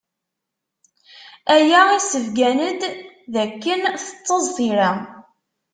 Aya issebgan-d d akken tettaẓ tira.